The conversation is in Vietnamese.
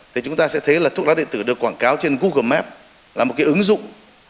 thì chúng ta sẽ thấy là thuốc lá điện tử được quảng cáo trên google map là một cái ứng dụng